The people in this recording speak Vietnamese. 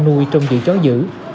nuôi trong dịu chó dữ